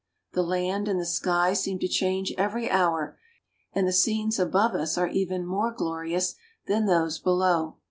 The land and the sky seem to change every hour, and the scenes above us are even more glorious than those below.